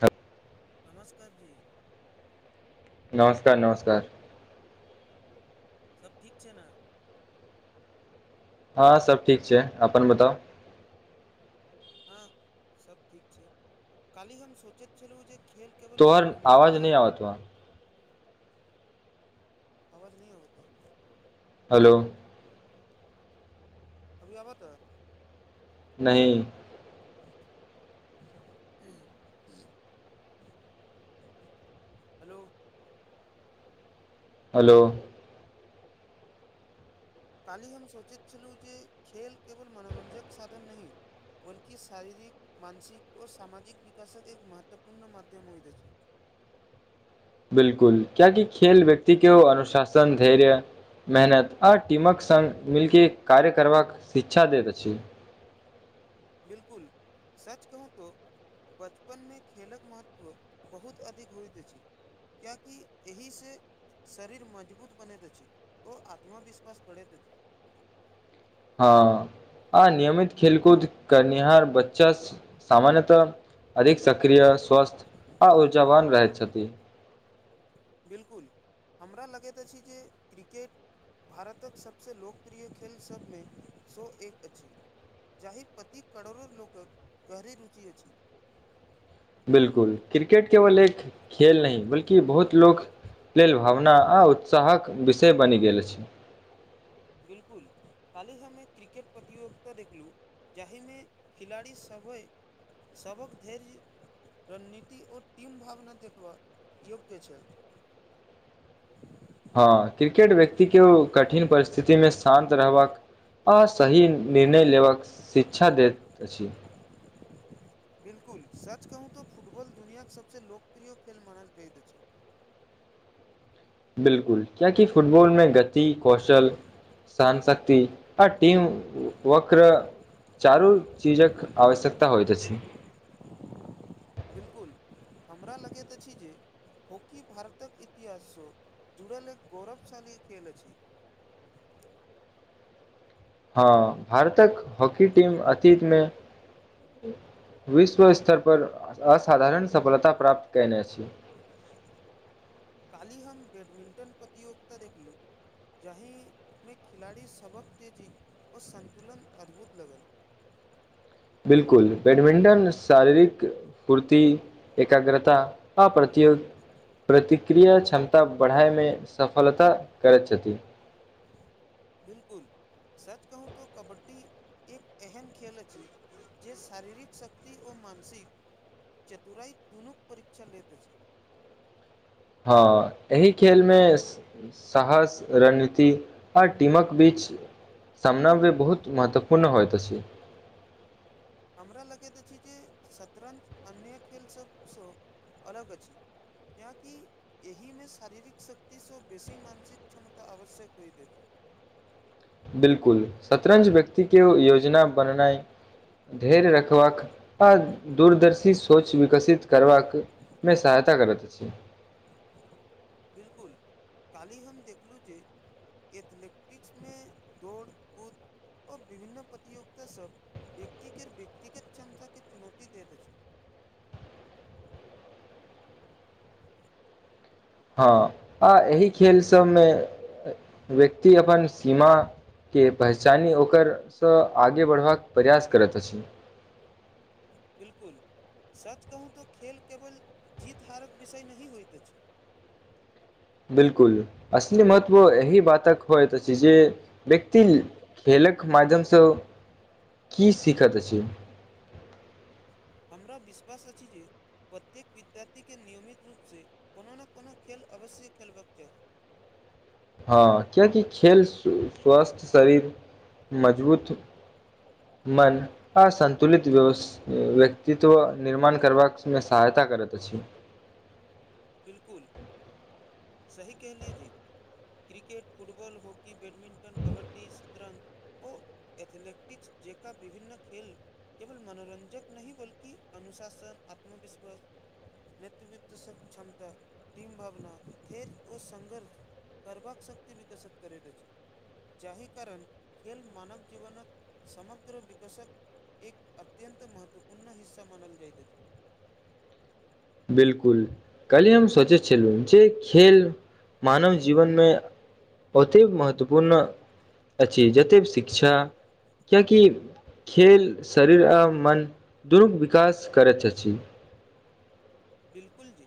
तब नमस्कार जी नमस्कार नमस्कार सब ठीक छै ने हँ सब ठीक छै अपन बताउ हँ सब ठीक छै काली हम सोचैत छलहुँ जे खेल केवल मनोरंजक नाही बत आवाज नइ अबैत अछि हल्लो अभी आब तऽ नइ ह ह हलो हल्लो काल्हि हम सोचैत छलहुँ जे खेल केवल मनोरञ्जक साधन नय बल्कि शारीरिक मानसिक ओ सामाजिक विकाशक एक महत्वपूर्ण माध्यम होइत अछि बिलकुल कियाकी खेल व्यक्ति के अनुशासन धैर्य मेहनत आ टीमक संग मिलके कार्य करबाक शिक्षा दैत अछि बिलकुल सच कहू तो बचपन में खेलक महत्व बहुत अधिक होइत अछि कियाकि एहिसँ शरीर मजबूत बनैत अछि ओ आत्मविश्वास बढ़ैत अछि हँ आ नियमित खेलकूद करनिहार बच्चा सामान्यतः अधिक सक्रिय स्वस्थ आ ऊर्जावन रहै छथि बिलकुल हमरा लगैत अछि जे क्रिकेट भारतक सबसँ लोकप्रिय खेलसब में सौ एक अछि जाहि प्रति करोड़ो लोकक गहरी रुचि अछि बिलकुल क्रिकेट केवल एक खेले नइ बल्कि बहुत लोक लेल भावना आ उत्साहक विषय बनि गेल अछ बिल्कुल काल्हि हम एक क्रिकेट प्रतियोगिता देखलहुँ जाहिमे खिलाड़ी सभ सभक धैर्य रणनीति ओर टीम भावना देखबा योग्य छल हँ क्रिकेट व्यक्ति के उ कठिन परिस्थितिमे शान्त रहबाक और सही निर्णय लेबक शिक्षा दैत अछि बिल्कुल सच कहूँ तऽ फुटबॉल दुनियाके सबसँ लोकप्रिय खेल मानल जाइत अछि बिलकुल किया कि फुटबॉलमें गति कौशल सहनशक्ति आ टीम वक्र चारूक चीजक आवश्यकता होइत अछि बिल्कुल हमरा लगैत अछि जे हॉकी भारतक इतिहाससँ जुड़ल एक गौरवशाली खेल अछि हँ भारतक हॉकी टीम अतीत में विश्व स्तर पर असाधारण सफलता प्राप्त कैने छी काल्हि हम बैडमिंटन प्रतियोगिता देखलहुँ जाहिमे खिलाड़ी सबक तेजी आर सन्तुलन अद्भुत लगल बिलकुल बैडमिंटन शारीरिक फूर्ति एकाग्रता आ प्रति प्रतिक्रिया क्षमता ता बढ़ाय में सफलता करैत छथिन बिलकुल सच कहू तो कबड्डी एक एहन खेल अछि जे शारीरिक शक्ति ओर मानसिक चतुराई दुनूक परीक्षण लैत अछि हँ एहि खेल में साहस रणनीति आर टीमक बीच समनव्य बहुत महत्वपूर्ण होइत अछि हमरा लगैत अछि जे शतरंज अन्य खेलसभसँ अलग अछि कियाकि एहि में शारीरिक शक्ति स बेसी मानसिक क्षमता आवश्यक होइत अछि बिलकुल शतरंज व्यक्ति के योजना बननाइ धर्य रखबाक आ दूरदर्शी सोच विकसित करबाकमे सहायता करैत अछि बिलकुल काल्हि हम देखलहुँ जे एथलेटिक्स में दौड़ कूद ओर विभिन्न प्रतियोगितासभ व्यक्तिके व्यक्तिगत क्षमताके चुनौती दैत अछि हँ आ एहि खेल सब में व्यक्ति अपन सीमा के पहचानी ओकरसँ आगे बढ़बाक प्रयास करैत अछि बिल्कुल सच कहू तऽ खेल केवल जीत हारक विषय नहि होइत अछि बिलकुल असल महत्व एहि बातक होइत जे व्यक्त खेलक माध्यमसँ की सीखैके छै हमरा विश्वास अछि जे प्रत्येक विद्यार्थीके नियमित रूपसँ कोनो ने कोनो खेल अवश्य खेलबाक चाही हँ कियाकि खेल स्वस्थ शरीर मजबूत मन आ सन्तुलित व्यक्तित्व निर्माण करबाक में सहायता करैत अछि बिलकुल सही कह लियजी cricket football hockey badminton kabaddi शतरञ्ज ओ एथलैटिक्स जेका विभिन्न खेेल केवल मनोरंजक नहि बल्कि अनुशासन आत्मविश्वास नेतृवत्वसँ क्षमता तिन भावना थेर ओ संघर्ष करबाक शक्ति विकसित करैत अछि जाहि कारण खेल मानव जीवनक समग्र विकसक एक अत्यंत महत्वपूर्ण हिस्सा मानल जाइत अछि बिलकुल कलिय हम सोचैत छलहुँ जे खेल मानव जीवन में ओतेक महत्वपूर्ण अछि जतेक शिक्षा किएकि खेल शरीर आ मन दुनूके विकास करैत अछि बिलकुल जी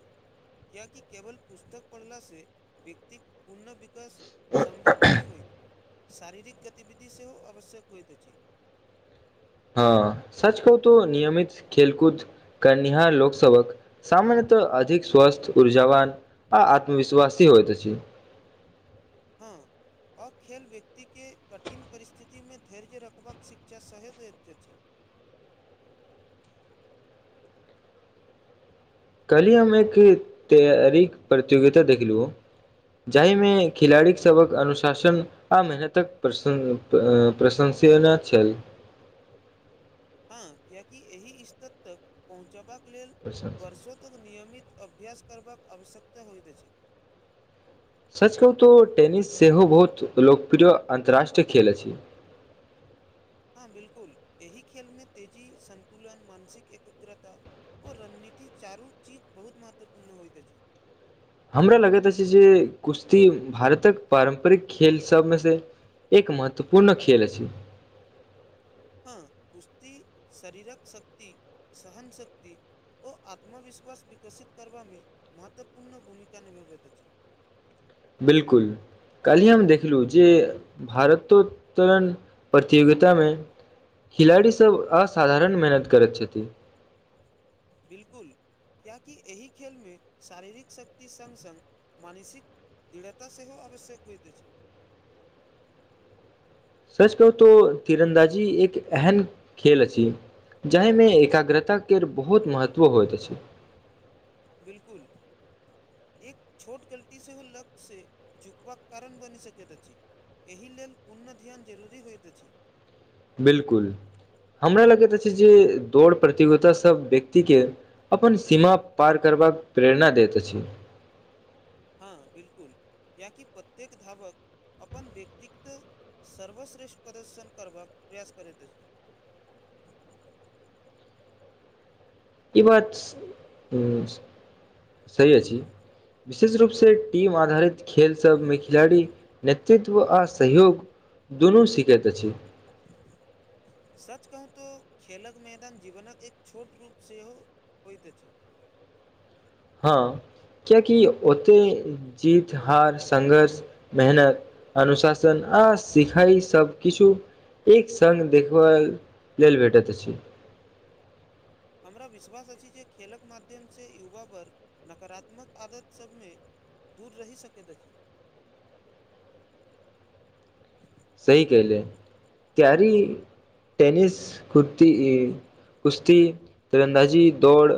क्य कि केवल पुस्तक पढ़ला से व्यक्तिक पुनः विकास संभव नहि होयत शारीरिक गतिविधि सेहो आवश्यक होइत छै हँ सच कहु तो नियमित खेलकूद करनिहार लोकसवक सामन्यतः अधिक स्वस्थ ऊर्जाावन आ आत्मविश्वासी होइ त छै हँ अखेल व्यक्तिकेँ कठिन परिस्थिति में धैर्य रखबाक शिक्षा सह द अछि काल्हि हम एक तैयारी प्रतियोगिता देखलो जाहिमे खिलाड़ीसभक अनुशासन आ मेहनतक प्रस प्रशंसय नहि छै हँ कियाकि एहि स्तर तक पहुँचबाक लेल वर्षों तक नियमित अभ्यास करबाक आवश्यकता होइत अछि सच कहू तऽ टेनिस सेहो बहुत लोकप्रिय अन्तरराष्ट्रीय खेल अछि हँ बिलकुल एहि खेल में तेजी सन्तुलन मानसिक एकग्रता ओ रणनीति चारू चीज बहुत महत्वपूर्ण होइत अछि हमरा लगैत अछि अछि जे कुश्ती भारतक पारम्परिक खेल सब में से एक महत्वपूर्ण खेल छै हँ कुश्ती शरीरक शक्ति सहन शक्त ओ आत्मविश्वास विकसित करबामें महत्वपूर्ण भूमिका निभाबैत अछि बिल्कुल काल्हि हम देखलहु जे भारतोत्तरण प्रतियोगितामें खिलाड़ीसब असाधारण मेहनत करैत छथिन बिलकुल कियाकि एहि खेलमे शारीरिक शक्ति सङ्ग सङ्ग मानसिक दृढ़ता सेहो आवश्यक होइत छै सच कह तो तीरन्दाजी एक एहम खेल अछि जाहिमे एकाग्रताके बहुत महत्व होइत अछि बिलकुल एक छोट गलती सेहो ओ लक्क्ष स चउकबाक कारण बनि सकैत अछि एहि लेल पुर्ण ध्यान जरूरी होइत अछि बिल्कुल हमरा लगैत अछि अछि जे दौड़ प्रतियोगितासभ व्यक्तिके अपन सीमा पार करबाक प्रेरणा दैत अछि हँ बिल्कुल या की प्रत्येक धावक अपन व्यक्तिक्त सर्वश्रेष्ठ प्रदर्शन करबाक प्रयास करैत अछि ई बात सही अछि विशेष रूपसँ टीम आधारित खेल सब मे खिलाड़ी नेतृत्व आ सहयोग दुनू सीखैत अछि सच कहू तऽ खेलक मैदान जीवनक एक छोट रूप सेहो होइत अछि हँ कियकि ओते जीत हार संघर्ष मेहनत अनुशासन आ सिखाइ सबकछु एक सङ्ग देखबऽ लेल भेटैत अछि हमरा विश्वास अछि जे खेलक माध्यमसँ युवा वर्ग नकारात्मक आदत सभमे दूर रहि सकैत छी सही क ले कैरी टेनिस कुत्तती ई कुश्ती तरन्दाजी दौड़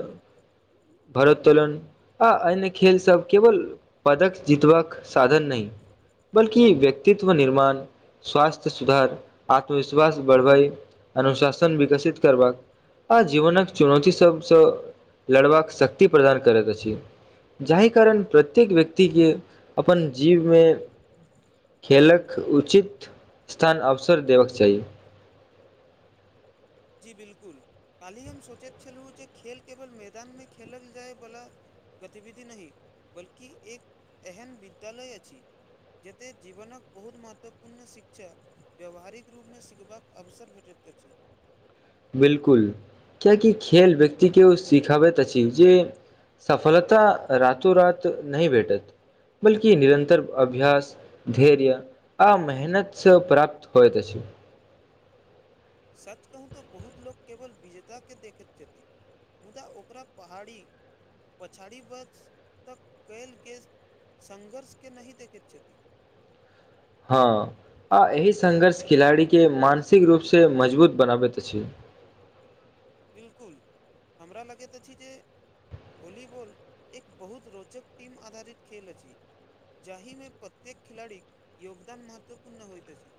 भरोत्तोलन आ अन्य खेलसभ केवल पदक जितबाक साधन नहि बल्कि व्यक्तित्व निर्माण स्वास्थ सुधार आत्मविश्वास बढ़बई अनुशासन विकसित करबाक आ जीवनक चुनौती सब सँ लड़बाक शक्ति प्रदान करैत अछि जाहि कारण प्रत्येक व्यक्ति के अपन जीव में खेलक उचित स्थान अवसर देबक चाही जी बिल्कुल काल्हि हम सोचैत छलहुँ जे खेल केवल मैदान मे खेलल जायवला गतिविधि नहि बल्कि एक एहन विद्यालय अछि जतय जीवनक बहुत महत्वपूर्ण शिक्षा व्यावहारिक रूपमें सिखबाक अवसर भेटैतऽ अछि बिल्कुल किय कि खेल व्यक्ति के ओ सिखाबैत अछि जे सफलता रातो रात नहि भेटत बल्कि निरन्तर अभ्यास धैर्य आ मेहनतसँ प्राप्त होइ त छै सच कहू तऽ बहुत लोक केवल विजेताकेँ देखैत छथिन मुदा ओकरा पहाड़ी पछाड़ी वर्ष तक कयल गेल संघर्ष के नहि देखैत छथि हँ आ एहि संघर्ष खिलाड़ीक के मानसिक रूप से मजबूत बनाबैत अछि बिल्कुल हमरा लगैत अछि जे वॉलीबॉल एक बहुत रोचक त टीम आधारित खेल अछि जाहि में प्रत्येक खिलड़ी क योगदान महत्वपूर्ण होइत अछि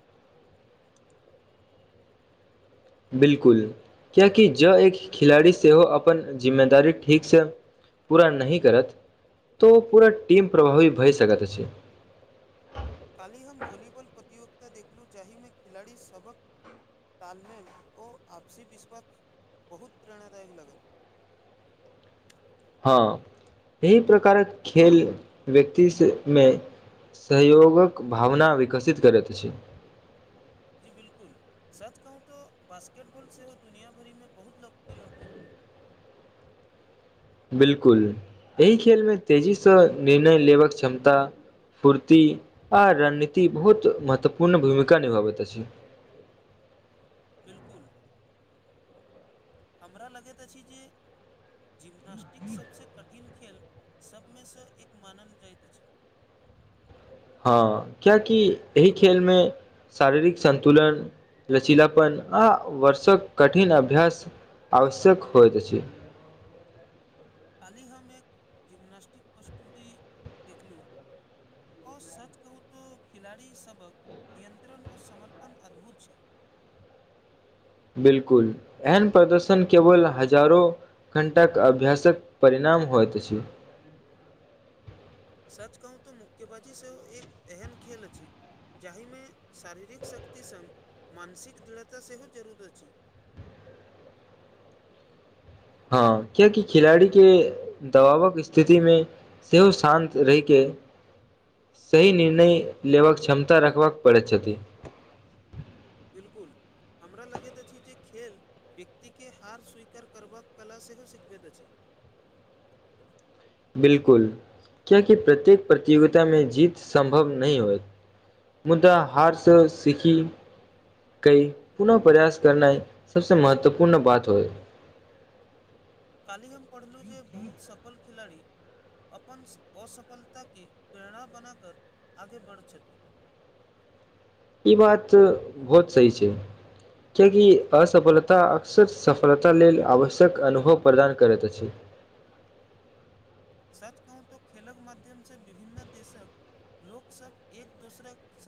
बिल्कुल कियकि जँ एक खिलाड़ी सेहो अपन जिम्मेदारी ठीकसँ पूरा नहि करत तऽ ओ पूरा टीम प्रभावी भए सकैत अछि काल्हि हम वॉलीबॉल प्रतियोगिता देखलूँ जाहिमे खिलाड़ी सभक तालमेल ओ आपसी विश्वास बहुत प्रेरणादायक लगल हँ एहि प्रकारक खेल व्यक्ति सँ में सहयोगक भावना विकसित करैत अछि जी बिल्कुल सच के कहू तो बास्केटबॉल सेहो दुनिया भरि में बहुत लोकप्रिय खेल है बिल्कुल एहि खेल में तेजी सँ निर्णय लेबक क्षमता पूर्ति आ रणनीति बहुत महत्वपूर्ण भूमिका निभाबैत अछि बिल्कुल हमरा लगैत अछि जे जिम्नास्टिक्स सभसँ कठिन खेल सभ में सँ एक मानल जाइत अछि हँ कियकि एहि खेल में शाररिक संन्तुलन लचीलापन आ वर्षक कठिन अभ्यस आवश्यक होइतइत अछि काल्हि हम एक जिम्नास्टिक प्रस्तुति देखलहुँ असत कहू त खिलाड़ीसभक नियन्त्रण आओ समर्पण अद्भुत छल बिलकुल एहन प्रदर्शन केवल हजारो घण्टाक अभ्यासक परिणाम होइत अछि सच कहू तऽ मुक्केबाजी सेहो एक एहन खेल अछि जाहिमे शारीरिक शक्ति संग मानसिक दृढ़ता सेहो जरूर अछि हँ क्य क खिलाड़ी के दबावक स्थिति में सेहो शान्त रहिके सही निर्णय लेबऽ क्षमता रखबाकऽ पड़ैत छथिन बिलकुल हमरा लगैत अछि जे खेल व्यक्तिके हार स्वीकार करबाक कला सेहो सिखबैत अछि बिलकुल क्य कि प्रत्येक प्रतियोगिता में जीत सम्भव नहि होइ मुदा हारसँ सिखी कई पुनः प्रयास करनाइ सबसे महत्वपूर्ण बात होइ काली हम पढ़लहुँ जे बहुत सफल खिलाड़ी अपन असफलताके प्रेरणा बनाकर आगे बढ़ैत छथि ई बात बहुत सही छै कियाकि असफलता अक्सर सफलता लेल आवश्यक अनुभव प्रदान करैत अछि साच कहू तऽ खेलक माध्यम से विभिन्न देशक लोक सब एक दोसर से